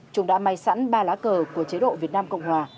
chúng đã may sẵn ba lá cờ của chế độ việt nam cộng hòa